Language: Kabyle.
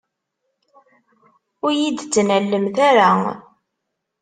Ur iyi-d-ttnalemt ara!